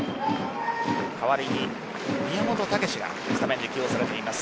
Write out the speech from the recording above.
代わりに宮本丈がスタメンで起用されています。